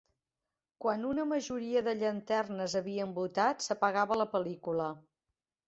Quan una majoria de llanternes havien votat, s'apagava la pel·lícula.